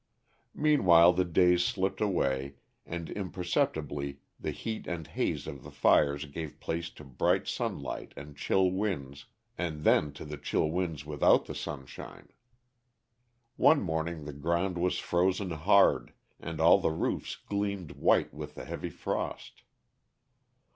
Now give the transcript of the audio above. Meanwhile the days slipped away, and imperceptibly the heat and haze of the fires gave place to bright sunlight and chill winds, and then to the chill winds without the sunshine. One morning the ground was frozen hard, and all the roofs gleamed white with the heavy frost.